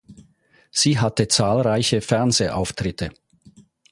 Sie hatte zahlreiche Fernsehauftritte.